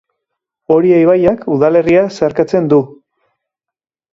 Oria ibaiak udalerria zeharkatzen du.